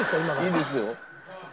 いいですよ。